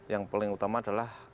yang paling utama adalah